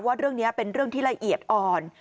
ว่าเรื่องนี้เป็นเรื่องที่ละเอียดอ่อน